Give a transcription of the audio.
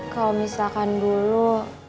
kalau misalkan dulu